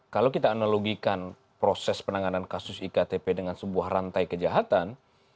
kalau kita analogikan proses penanganan kasus iktp dengan sebuah rantai kejahatan